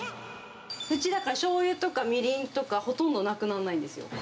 うち、だから、しょうゆとかみりんとか、ほとんどなくなんないんですよ。